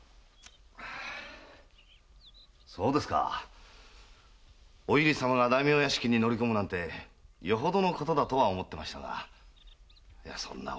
そうですかお由利様が大名屋敷に乗り込むなんてよほどのことだと思ってましたがそんな親子がねぇ。